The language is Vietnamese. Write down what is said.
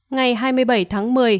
ngày hai mươi bảy tháng một mươi